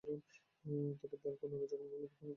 তবে, দল নির্বাচকমণ্ডলীর উপেক্ষার পাত্রে পরিণত হন।